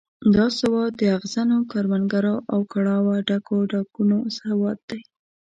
دا سواد د اغزنو کروندو او کړاوه ډکو ډاګونو سواد دی.